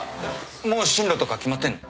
もう進路とか決まってんの？